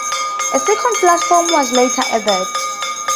A second platform was later added.